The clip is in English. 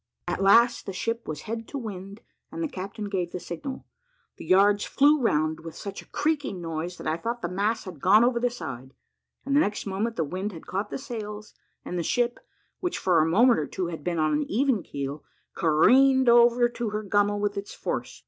At last the ship was head to wind, and the captain gave the signal. The yards flew round with such a creaking noise, that I thought the masts had gone over the side, and the next moment the wind had caught the sails; and the ship, which for a moment or two had been on an even keel, careened over to her gunnel with its force.